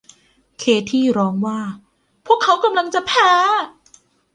เคธี่ร้องว่าพวกเขากำลังจะแพ้